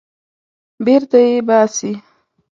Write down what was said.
بېرته یې باسي.